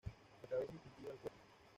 La cabeza es distintiva al cuello.